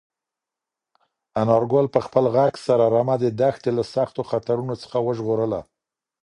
انارګل په خپل غږ سره رمه د دښتې له سختو خطرونو څخه وژغورله.